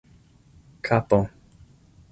kapo